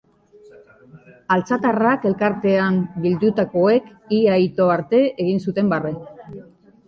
Altzatarrak elkartean bildutakoek ia ito arte egin zuten barre.